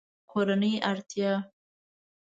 کورنۍ اړتیا